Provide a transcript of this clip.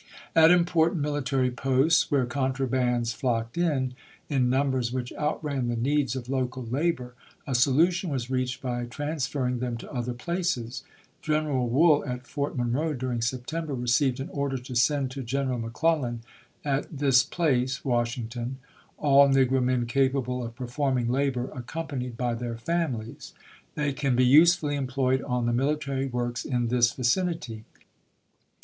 At important military posts, where contrabands flocked in, in numbers which outran the needs of local labor, a solution was reached by transfer ring them to other places. General Wool at Fort Monroe during September received an order to " send to General McClellan at this place [Washing ton] all negro men capable of performing labor, toTooi! accompanied by their families. They can be use i86f.^V."R. fully employed on the military works in this vicin *''6i5.'^'' ity."